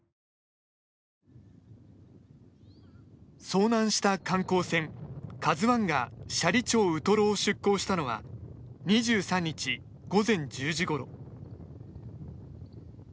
遭難した観光船、ＫＡＺＵ１が斜里町ウトロを出航したのは２３日午前１０時ごろ。